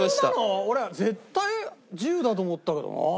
俺絶対１０だと思ったけどな。